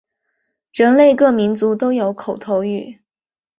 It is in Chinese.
人类各民族都有口头语。